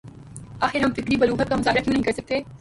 آخر ہم فکری بلوغت کا مظاہرہ کیوں نہیں کر سکتے ہیں؟